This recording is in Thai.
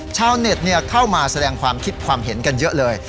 ชาวเน็ตเข้ามาแสดงความคิดความเห็นกันเยอะเลย